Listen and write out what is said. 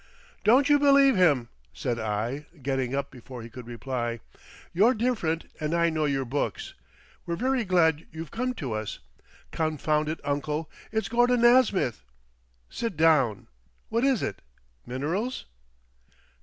"Don't you believe him," said I, getting up before he could reply. "You're different, and I know your books. We're very glad you've come to us. Confound it, uncle! Its Gordon Nasmyth! Sit down. What is it? Minerals?"